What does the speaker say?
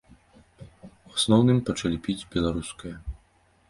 У асноўным пачалі піць беларускае.